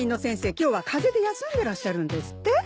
今日は風邪で休んでらっしゃるんですって？